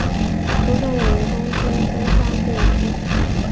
出身于东京都杉并区。